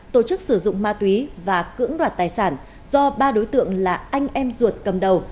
tổ chức sử dụng ma túy và cưỡng đoạt tài sản do ba đối tượng là anh em ruột cầm đầu